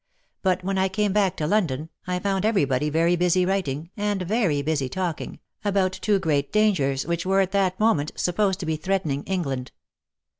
But when I came back to London, I found everybody very busy writing, and very busy talking, about two great dangers which were at that moment supposed to be threatening England.